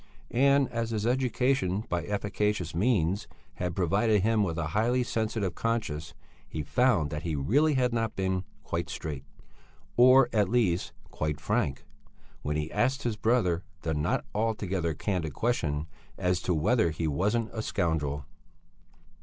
And as his education, by efficacious means, had provided him with a highly sensitive conscience, he found that he really had not been quite straight, or at least quite frank, when he asked his brother the not altogether candid question as to whether he wasn't a scoundrel.